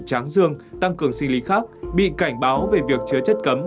tráng dương tăng cường sinh lý khác bị cảnh báo về việc chứa chất cấm